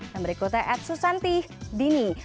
dan berikutnya ed susanti dini